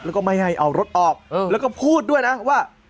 แล้วก็ไม่ให้เอารถออกแล้วก็พูดด้วยนะว่า